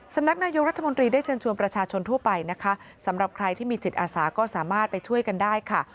สำนักนายกรัฐมนตรีได้เชิญชวนประชาชนทั่วไปนะคะสำหรับใครที่มีจิตอาสาก็สามารถไปช่วยกันได้ค่ะ